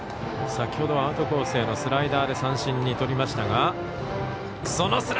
先ほどはアウトコースへのスライダーで三振にとりましたが。